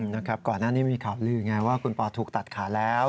นะครับก่อนหน้านี้มีข่าวลือไงว่าคุณปอถูกตัดขาแล้ว